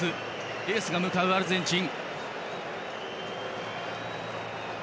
エースが向かうアルゼンチン。